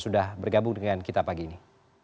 sudah bergabung dengan kita pagi ini